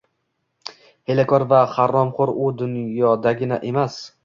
Hiylakor va haromxo'r u dunyodagina emas